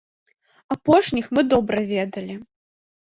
Апошніх мы добра ведалі.